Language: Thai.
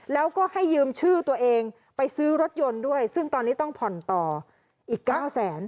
แล้วก็ให้ยืมชื่อตัวเองไปซื้อรถยนต์ด้วยซึ่งตอนนี้ต้องผ่อนต่ออีก๙แสน